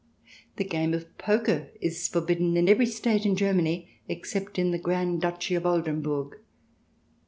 The game of poker is forbidden in every State in Germany except in the Grand Duchy of Oldenburg.